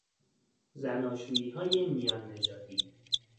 زناشوییهای میان نژادی